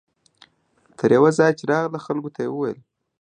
تر یوه ځایه چې راغله خلکو ته یې وویل.